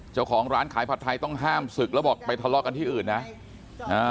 เจ้าของร้านขายผัดไทยต้องห้ามศึกแล้วบอกไปทะเลาะกันที่อื่นนะอ่า